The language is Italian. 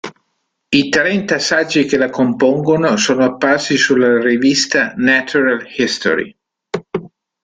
I trenta saggi che la compongono sono apparsi sulla rivista "Natural History".